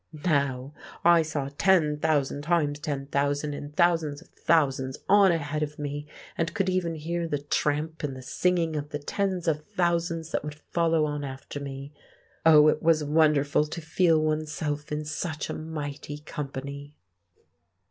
Now, I saw ten thousand times ten thousand, and thousands of thousands, on ahead of me, and could even hear the tramp and the singing of the tens of thousands that would follow on after me. Oh, it was wonderful to feel oneself in such a mighty company!